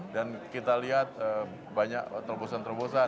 dan kita lihat banyak terobosan terobosan